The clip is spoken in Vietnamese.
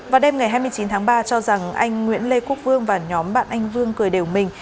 vào đêm ngày hai mươi chín tháng ba cho rằng anh nguyễn lê quốc vương và nhóm bạn anh vương cười đều mình